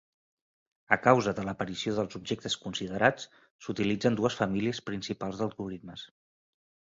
A causa de l'aparició dels objectes considerats, s'utilitzen dues famílies principals d'algoritmes.